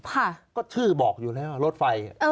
ค่ะก็ชื่อบอกอยู่แล้วว่ารถไฟ